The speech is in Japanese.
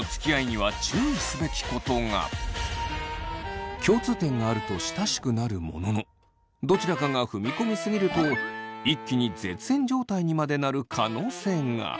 ただし共通点があると親しくなるもののどちらかが踏み込みすぎると一気に絶縁状態にまでなる可能性が。